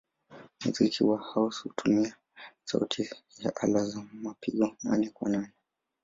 Muziki wa house hutumia sauti ya ala za mapigo nane-kwa-nane.